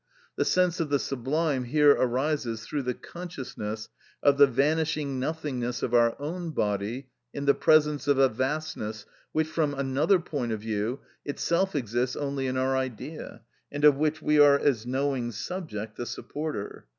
The sense of the sublime here arises through the consciousness of the vanishing nothingness of our own body in the presence of a vastness which, from another point of view, itself exists only in our idea, and of which we are as knowing subject, the supporter.